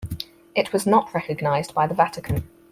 It was not recognized by the Vatican.